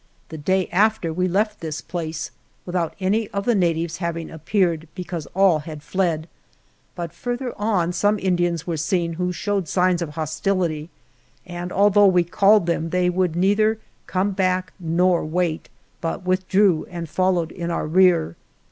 The day after we left this place, with out any of the natives having appeared, be cause all had fled, but further on some In dians were seen who showed signs of hos tility, and although we called them they would neither come back nor wait, but with drew and followed in our rear.